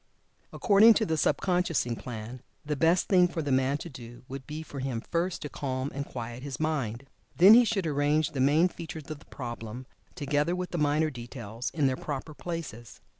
According to the Sub consciousing plan, the best thing for the man to do would be for him first to calm and quiet his mind. Then he should arrange the main features of the problem, together with the minor details in their proper places.